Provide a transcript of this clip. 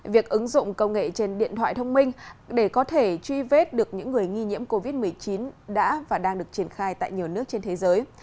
việc ứng dụng công nghệ trên điện thoại thông minh để có thể truy vết được những người nghi nhiễm covid một mươi chín đã và đang được triển khai tại nhiều nước trên thế giới